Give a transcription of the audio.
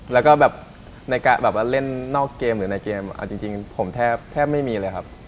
แล้วก็แบบเล่นนอกเกมหรือในเกมจริงผมแทบไม่มีเลยครับ